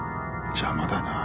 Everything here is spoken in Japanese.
邪魔だなぁ。